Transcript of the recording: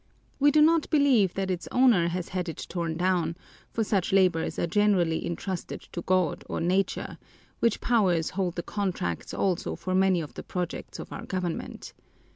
We do not believe that its owner has had it torn down, for such labors are generally entrusted to God or nature which Powers hold the contracts also for many of the projects of our government.